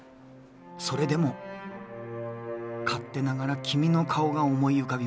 それでも勝手ながら君の顔が思い浮かびました」。